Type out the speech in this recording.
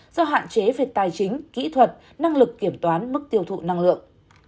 do hạn chế về tài chính kỹ thuật năng lực kiểm toán mức tiêu thụ năng lượng